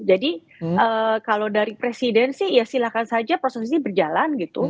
jadi kalau dari presiden sih ya silahkan saja proses ini berjalan gitu